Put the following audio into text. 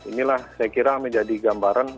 inilah saya kira menjadi gambaran